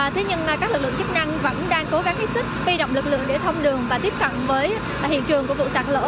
thế nhưng các lực lượng chức năng vẫn đang cố gắng hết sức vi động lực lượng để thông đường và tiếp cận với hiện trường của vụ sạt lở